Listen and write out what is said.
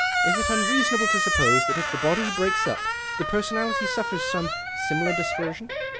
Is it unreasonable to suppose that if the body breaks up the personality suffers some similar dispersion